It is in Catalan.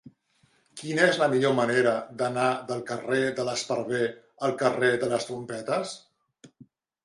Quina és la millor manera d'anar del carrer de l'Esparver al carrer de les Trompetes?